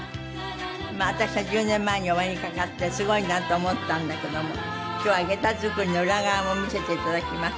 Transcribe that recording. まあ私は１０年前にお目にかかってすごいなって思ったんだけども今日は下駄作りの裏側も見せていただきます。